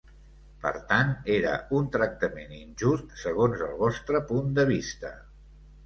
Per tant, era un tractament injust segons el vostre punt de vista.